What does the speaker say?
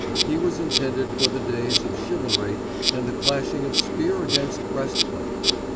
He was intended for the days of chivalry and the clashing of spear against breast plate.